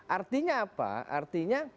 artinya apa artinya